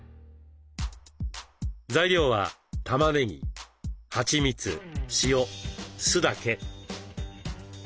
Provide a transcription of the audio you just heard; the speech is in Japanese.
材料はたまねぎはちみつ塩酢だけ。